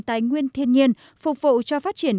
tài nguyên thiên nhiên phục vụ cho phát triển